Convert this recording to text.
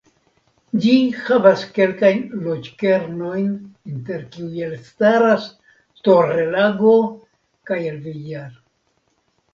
Ĝi havas kelkajn loĝkernojn inter kiuj elstaras Torrelago kaj El Villar.